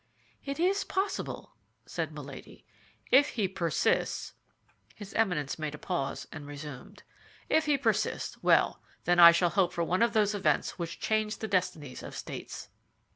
"It is possible," said Milady. "If he persists—" His Eminence made a pause, and resumed: "If he persists—well, then I shall hope for one of those events which change the destinies of states."